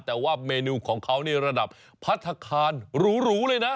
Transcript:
แต่ว่าเมนูของเขานี่ระดับพัฒนาคารหรูเลยนะ